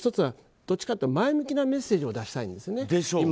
どっちかといったら前向きなメッセージを出したいんですね。